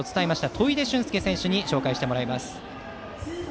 砥出隼介選手に紹介してもらいます。